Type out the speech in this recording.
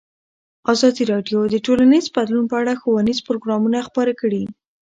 ازادي راډیو د ټولنیز بدلون په اړه ښوونیز پروګرامونه خپاره کړي.